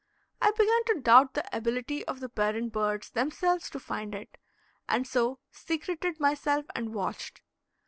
I began to doubt the ability of the parent birds themselves to find it, and so secreted myself and watched.